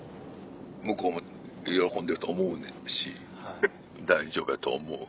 向こうも喜んでると思うし大丈夫やと思う。